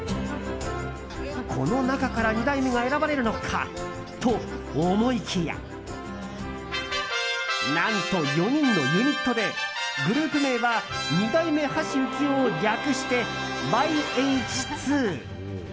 この中から２代目が選ばれるのかと思いきや何と４人のユニットでグループ名は２代目・橋幸夫を略してｙＨ２。